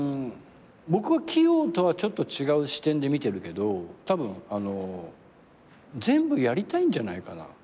僕は器用とはちょっと違う視点で見てるけどたぶん全部やりたいんじゃないかな？